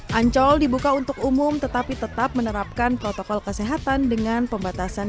hai ancol dibuka untuk umum tetapi tetap menerapkan protokol kesehatan dengan pembatasan